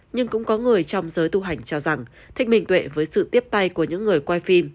nhưng cũng có người trong giới tu hành cho rằng thích minh tuệ với sự tiếp tay của những người quay phim